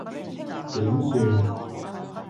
點算